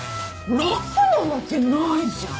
楽なわけないじゃん。